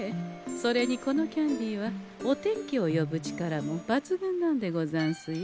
それにこのキャンディーはお天気を呼ぶ力も抜群なんでござんすよ。